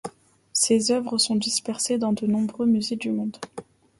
Ses œuvres sont dispersées dans de nombreux musées du monde.